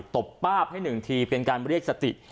บป้าบให้หนึ่งทีเป็นการเรียกสติ